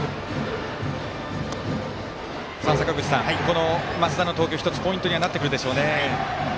坂口さん、この増田の投球１つポイントになってくるでしょうね。